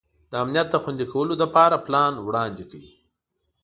د امنیت د خوندي کولو لپاره پلان وړاندي کړ.